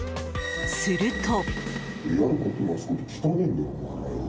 すると。